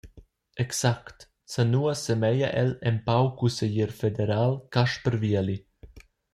Exact, zanua semeglia el empau cusseglier federal Casper Vieli.